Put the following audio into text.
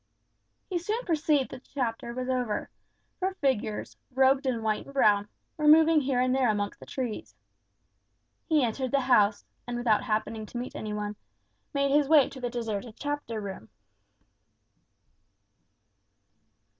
He soon perceived that the Chapter was over; for figures, robed in white and brown, were moving here and there amongst the trees. He entered the house, and without happening to meet any one, made his way to the deserted Chapter room.